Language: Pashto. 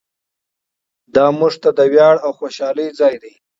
دا موږ ته د ویاړ او خوشحالۍ ځای دی.